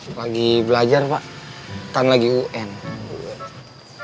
mama fug tapis tidak ada shhandul pria aku ngbo lo fon pita lahis itu bentuk